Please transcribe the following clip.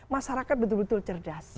masyarakat betul betul cerdas